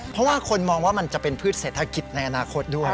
เพราะว่าคนมองว่ามันจะเป็นพืชเศรษฐกิจในอนาคตด้วย